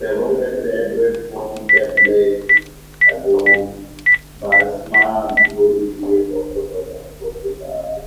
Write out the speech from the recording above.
ব্যবহারকারীরা Android phone, tablet বা smart ঘড়ি দিয়ে অর্থ প্রদান করতে পারে।